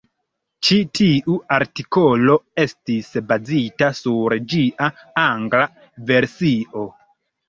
Ĉi tiu artikolo estis bazita sur ĝia angla versio.